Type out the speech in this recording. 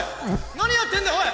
なにやってんだおい！